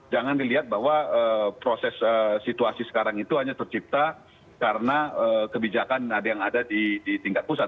jangan dilihat bahwa proses situasi sekarang itu hanya tercipta karena kebijakan yang ada di tingkat pusat